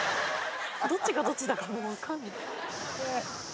どっちがどっちだかもうわかんない。